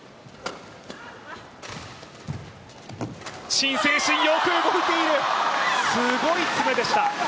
陳選手、よく動いている、すごい詰めでした。